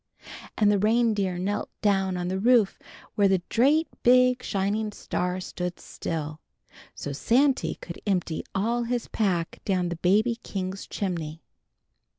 An' the reindeer knelt down on the roof where the drate big shining star stood still, so Santy could empty all his pack down the baby king's chimney."